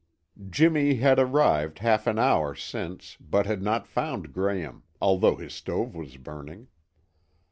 Jimmy had arrived half an hour since, but had not found Graham, although his stove was burning.